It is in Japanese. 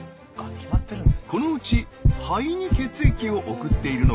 このうち肺に血液を送っているのが右心室。